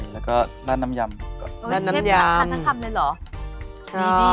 แล้วก็ด้านน้ำยำก่อนด้านน้ำยำโอเคเชฟมาทานทั้งคำเลยเหรอ